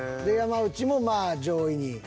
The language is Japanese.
で山内もまあ上位に。